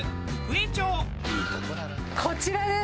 こちらです。